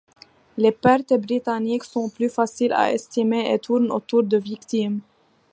Les pertes britanniques sont plus faciles à estimer et tournent autour de victimes.